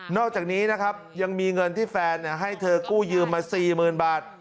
อกจากนี้นะครับยังมีเงินที่แฟนให้เธอกู้ยืมมา๔๐๐๐บาท